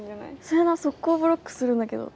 それなソッコーブロックするんだけど。